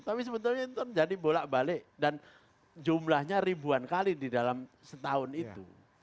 tapi sebetulnya itu terjadi bolak balik dan jumlahnya ribuan kali di dalam setahun itu